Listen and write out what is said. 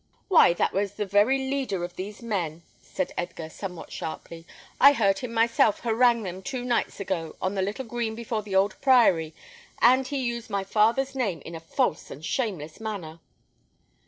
"Why, that was the very leader of these men," said Edgar, somewhat sharply. "I heard him myself harangue them two nights ago on the little green before the old priory, and he used my father's name in a false and shameless manner."